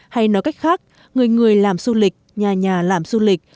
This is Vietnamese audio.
hay nói cách khác người người làm du lịch nhà nhà làm du lịch